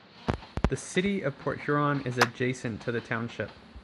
The city of Port Huron is adjacent to the township.